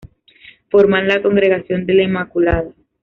Forman la "Congregación de la Inmaculada".